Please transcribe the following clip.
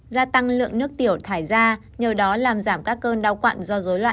gia tăng lượng nước tiểu thải ra nhờ đó làm giảm các cơn đau quặn do dối loạn